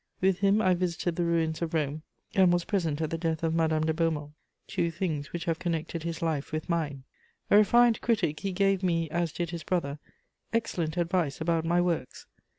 With him I visited the ruins of Rome, and was present at the death of Madame de Beaumont: two things which have connected his life with mine. A refined critic, he gave me, as did his brother, excellent advice about my works.